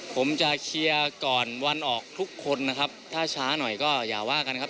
ผมจะเคลียร์ก่อนวันออกทุกคนนะครับถ้าช้าหน่อยก็อย่าว่ากันครับ